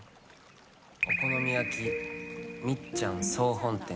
お好み焼みっちゃん総本店。